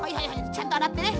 ちゃんとあらってね。